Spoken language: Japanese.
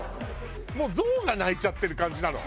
もうゾウが鳴いちゃってる感じなの？